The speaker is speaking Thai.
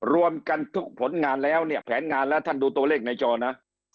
รวมกันทุกผลงานแล้วเนี่ยแผนงานแล้วท่านดูตัวเลขในจอนะ